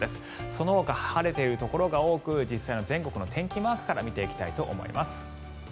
そのほか晴れているところが多く実際の全国の天気マークから見ていきたいと思います。